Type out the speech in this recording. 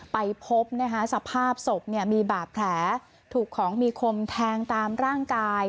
ไปพบสภาพศพมีบาดแผลถูกของมีคมแทงตามร่างกาย